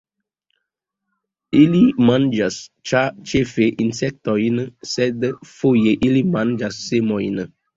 Ili manĝas ĉefe insektojn, sed foje ili manĝas semojn.